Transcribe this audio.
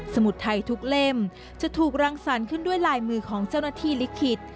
มุดไทยทุกเล่มจะถูกรังสรรค์ขึ้นด้วยลายมือของเจ้าหน้าที่ลิขิต